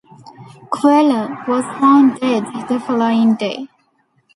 Cuellar was found dead the following day.